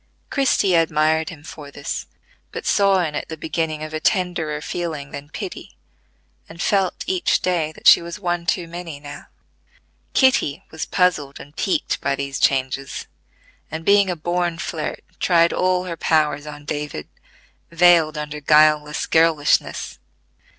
Christie admired him for this, but saw in it the beginning of a tenderer feeling than pity, and felt each day that she was one too many now. Kitty was puzzled and piqued by these changes, and being a born flirt tried all her powers on David, veiled under guileless girlishness.